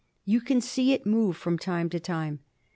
You can see it move from time to time.